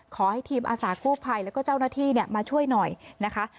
ขอให้ทีมอาสากู้ภัยแล้วก็เจ้าหน้าที่มาช่วยหน่อยนะคะ